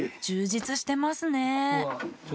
充実してますね。